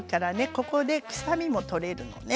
ここで臭みも取れるのね。